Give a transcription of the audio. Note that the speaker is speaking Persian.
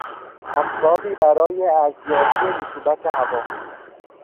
اسبابی برای ارزیابی رطوبت هوا